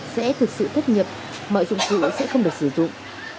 sẽ thực sự thất nhập mọi dụng cửa sẽ không được sử dụng